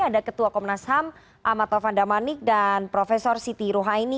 ada ketua komnas ham ahmad taufan damanik dan prof siti ruhaini